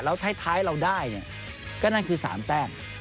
แล้วท้ายเราได้ก็นั่นคือ๓แต้ง